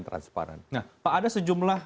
transparan nah pak ada sejumlah